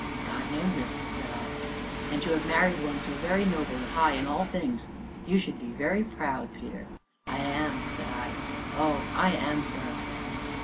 "God knows it!" said I. "And to have married one so very noble and high in all things you should be very proud, Peter." "I am," said I; "oh, I am, sir."